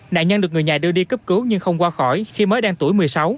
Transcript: nạn nhân được người nhà đưa đi cấp cứu nhưng không qua khỏi khi mới đang tuổi một mươi sáu